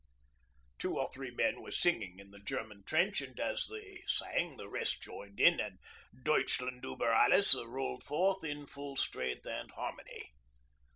Two or three men were singing in the German trench, and as they sang the rest joined in and 'Deutschland über Alles' rolled forth in full strength and harmony.